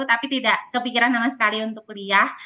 tapi tidak kepikiran sama sekali untuk kuliah